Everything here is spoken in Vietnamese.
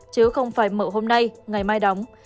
chứ không phải mở hôm nay ngày mai đóng